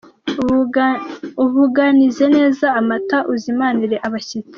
Ubuganize neza amata uzimanaire abashyitsi.